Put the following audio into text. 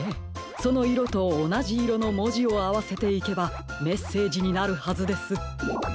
そのいろとおなじいろのもじをあわせていけばメッセージになるはずです。